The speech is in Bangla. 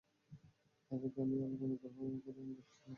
তাদেরকে আমি আমার অনুগ্রহভাজন করেছিলাম।